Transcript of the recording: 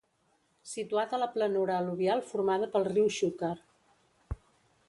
Situat a la planura al·luvial formada pel riu Xúquer.